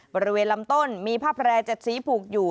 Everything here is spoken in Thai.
บริเวณลำต้นมีผ้าแพร่๗สีผูกอยู่